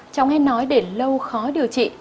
cháu nghe nói để lâu khó điều trị